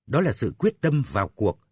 đó là sự quyết tâm vào cuộc